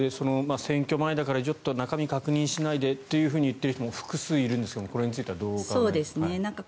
選挙前だからちょっと中身確認しないでと言っている人も複数いるんですがこれについてはどうお考えですか？